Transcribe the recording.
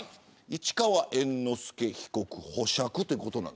市川猿之助被告、保釈ですか。